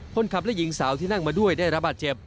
คนขับและหญิงสาวที่นั่งมาด้วยได้รับบาดเจ็บ